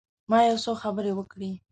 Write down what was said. ما یو څو خبرې وکړې.